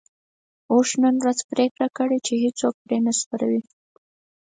اوښ نن ورځ پرېکړه کړې چې هيڅوک پرې نه سپروي.